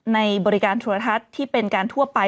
ในบริการโทรทัศน์ที่เป็นการทั่วไป